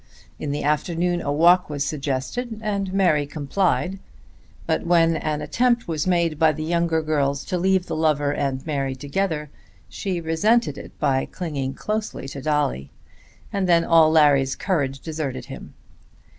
In the afternoon a walk was suggested, and Mary complied; but when an attempt was made by the younger girls to leave the lover and Mary together, she resented it by clinging closely to Dolly; and then all Larry's courage deserted him.